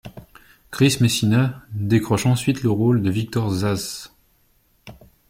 Chris Messina décroche ensuite le rôle de Victor Zsasz.